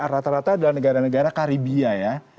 rata rata adalah negara negara karibia ya